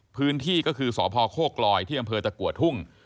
พื้นที่ก็คือสพโคกรอยที่บตะกัวทุ่ง